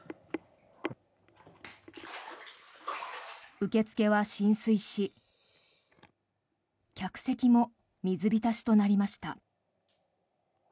受付は浸水し客席も水浸しとなりました。